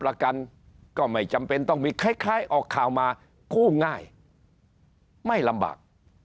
ประกันก็ไม่จำเป็นต้องมีคล้ายออกข่าวมากู้ง่ายไม่ลำบาก